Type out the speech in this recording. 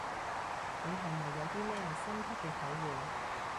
你係咪有啲咩深刻嘅體會